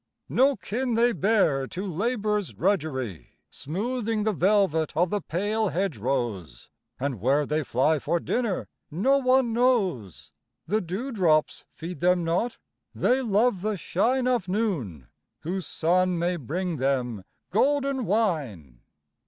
No kin they bear to labour's drudgery, Smoothing the velvet of the pale hedge rose; And where they fly for dinner no one knows The dew drops feed them not they love the shine Of noon, whose sun may bring them golden wine.